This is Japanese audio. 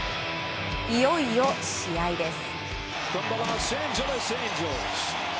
いよいよ試合です。